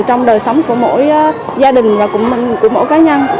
trong đời sống của mỗi gia đình và của mỗi cá nhân